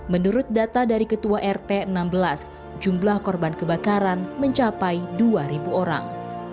menurut data dari ketua rt enam belas jumlah korban kebakaran mencapai dua orang